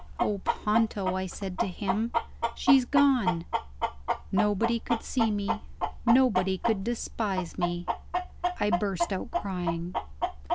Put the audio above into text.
"Oh, Ponto!" I said to him, "she's gone!" Nobody could see me; nobody could despise me I burst out crying.